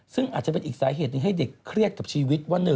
ซึ่งอาจจะเป็นอีกสาเหตุหนึ่งให้เด็กเครียดกับชีวิตว่า